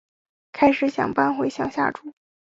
开始想搬回乡下住